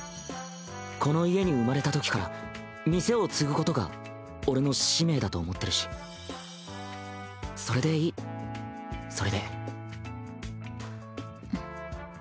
この家に生まれたときから店を継ぐことが俺の使命だと思ってるしそれでいいそれで。